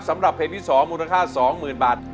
สำหรับเพลงที่๒มูลค่า๒๐๐๐บาท